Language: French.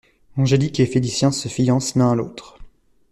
Angélique et Félicien se fiancent l'un à l'autre.